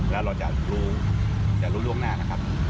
แล้วเราจะรู้จะรู้ล่วงหน้านะครับ